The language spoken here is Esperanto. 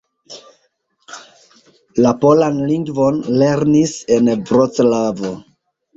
La polan lingvon lernis en Vroclavo.